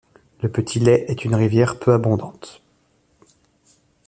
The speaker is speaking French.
Le Petit Lay est une rivière peu abondante.